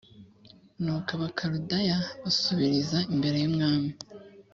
nuko abakaludaya basubiriza imbere y umwami